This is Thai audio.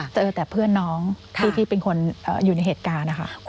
เจอแต่เพื่อนน้องที่เป็นคนอยู่ในเหตุการณ์นะคะ